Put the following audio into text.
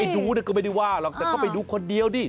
ดูก็ไม่ได้ว่าหรอกแต่ก็ไปดูคนเดียวดิ